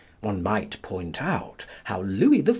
One might point out how Louis XIV.